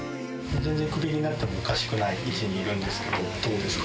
全然クビになってもおかしくない位置にいるんですけど、どうですか？